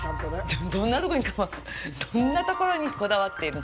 どんなところにどんなところにこだわっているの。